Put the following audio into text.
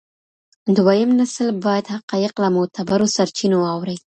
دویم نسل باید حقایق له معتبرو سرچینو واوري.